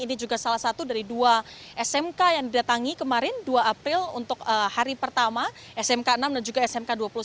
ini juga salah satu dari dua smk yang didatangi kemarin dua april untuk hari pertama smk enam dan juga smk dua puluh satu